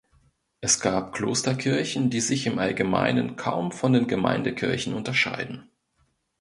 Es gab Klosterkirchen, die sich im Allgemeinen kaum von den Gemeindekirchen unterscheiden.